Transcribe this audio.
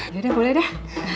yaudah boleh deh